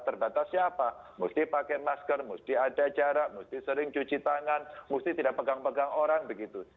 terbatas siapa mesti pakai masker mesti ada jarak mesti sering cuci tangan mesti tidak pegang pegang orang begitu